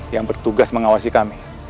yang bertugas mengawasi kami